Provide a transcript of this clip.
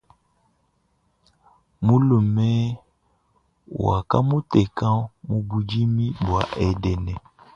Mulume wa kamuteka mu budimi bwa edene.